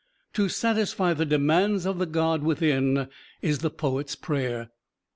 To satisfy the demands of the God within is the poet's prayer.